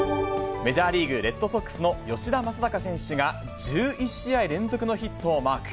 メジャーリーグ・レッドソックスの吉田正尚選手が、１１試合連続のヒットをマーク。